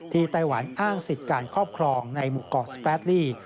ไต้หวันอ้างสิทธิ์การครอบครองในหมู่เกาะสแปดลี่